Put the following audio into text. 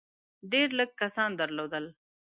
ډېر لږ کسان درلودل.